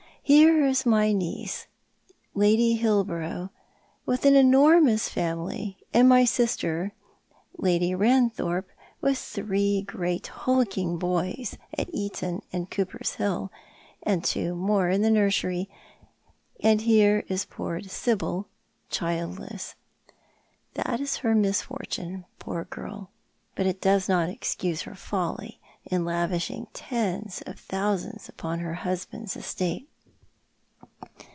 " Here is my niece, Lady Hilborough, with an enormous family, and my sister, Lady Eanthorpe, with three great, hulking boys at Eton and Cooper's Hill, and two more in the nursery : and here is poor Sibyl childless. That is her misfortune, poor girl! But it does not excuse her folly in lavishing tens of thousands ujoon her husband's estate."